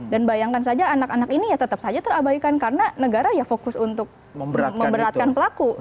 bayangkan saja anak anak ini ya tetap saja terabaikan karena negara ya fokus untuk memberatkan pelaku